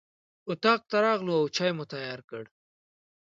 اطاق ته راغلو او چای مو تیار کړ.